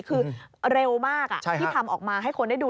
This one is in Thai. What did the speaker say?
คือเร็วมากที่ทำออกมาให้คนได้ดู